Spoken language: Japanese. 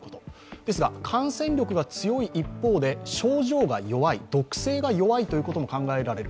ですが感染力が強い一方で症状が弱い、毒性が弱いということも考えられる。